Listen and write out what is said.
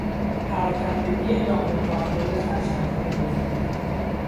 پراکندگی نامتعادل خرچنگهای بزرگ